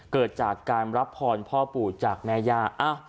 เกิดจากการรับพรพ่อปู่จากแม่ย่า